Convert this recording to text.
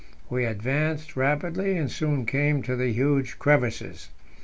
We advanced rapidly, and soon came to the huge crevasses.